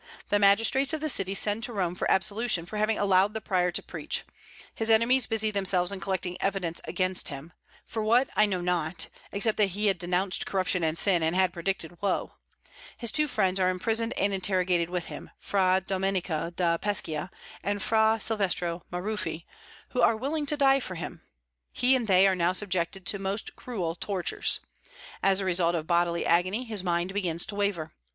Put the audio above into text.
The magistrates of the city send to Rome for absolution for having allowed the Prior to preach. His enemies busy themselves in collecting evidence against him, for what I know not, except that he had denounced corruption and sin, and had predicted woe. His two friends are imprisoned and interrogated with him, Fra Domenico da Pescia and Fra Silvestro Maruffi, who are willing to die for him. He and they are now subjected to most cruel tortures. As the result of bodily agony his mind begins to waver.